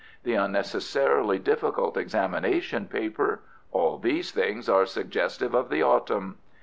The unnecessarily difficult examination paper. All these things are suggestive of the Autumn.